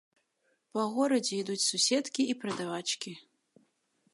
Па горадзе ідуць суседкі і прадавачкі.